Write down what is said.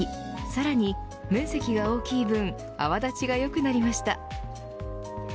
さらに面積が大きい分泡立ちが良くなりました。